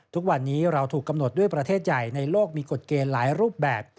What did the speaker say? ทุกวันนี้เราถูกกำหนดด้วยประเทศใหญ่ในโลกมีกฎเกณฑ์หลายรูปแบบ